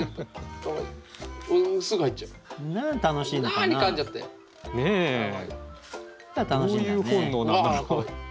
どういう本能なんだろう。